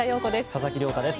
佐々木亮太です。